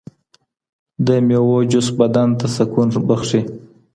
د مېوو جوس بدن ته سکون بښي.